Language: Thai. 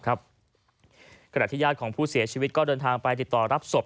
ขณะที่ญาติของผู้เสียชีวิตก็เดินทางไปติดต่อรับศพ